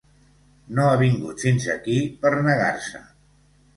No ha vingut fins aquí per negar-se.